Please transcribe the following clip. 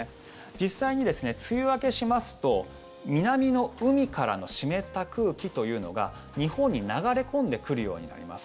実際に梅雨明けしますと南の海からの湿った空気というのが日本に流れ込んでくるようになります。